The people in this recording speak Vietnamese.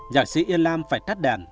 nhạc sĩ yên lam phải tắt đèn